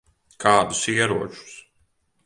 Kādus ieročus?